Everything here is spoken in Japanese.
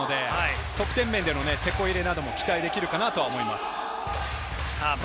得点面でのてこ入れなども期待できるかなと思います。